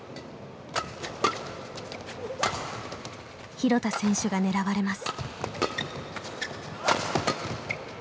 廣田選手が狙われます。